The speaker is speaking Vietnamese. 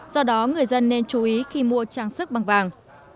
do đó người dân nên chú ý khi mua trang sức bằng vàng